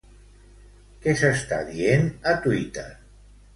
Què s'està dient a Twitter?